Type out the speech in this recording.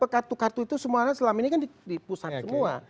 kartu kartu itu semuanya selama ini kan di pusat semua